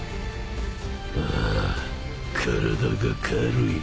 ああ体が軽い。